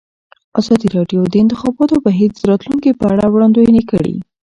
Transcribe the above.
ازادي راډیو د د انتخاباتو بهیر د راتلونکې په اړه وړاندوینې کړې.